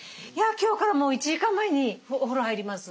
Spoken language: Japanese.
今日からもう１時間前にお風呂入ります。